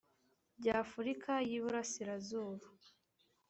by afurika y iburasirazuba